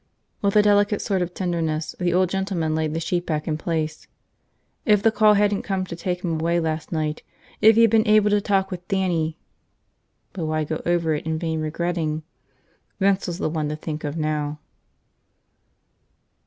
With a delicate sort of tenderness the old gentleman laid the sheet back in place. If the call hadn't come to take him away last night, if he had been able to talk with Dannie – but why go over it in vain regretting? Vince was the one to think of now.